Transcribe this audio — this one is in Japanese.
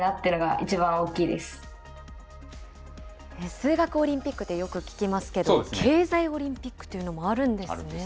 数学オリンピックってよく聞きますけど、経済オリンピックといういうのもあるんですね。